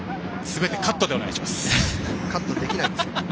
カットできないですよ。